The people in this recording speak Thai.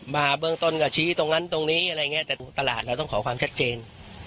มาเบื้องต้นก็ชี้ตรงนั้นตรงนี้อะไรอย่างนี้แต่ตลาดเราต้องขอความชัดเจน